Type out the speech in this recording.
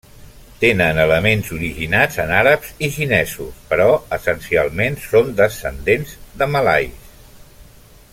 Tenen elements originats en àrabs i xinesos, però essencialment són descendents de malais.